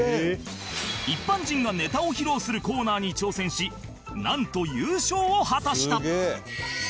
一般人がネタを披露するコーナーに挑戦しなんと優勝を果たした